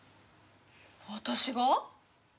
私が？